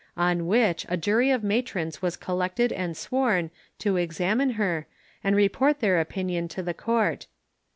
On which a jury of matrons was collected and sworn, to examine her, and report their opinion to the court.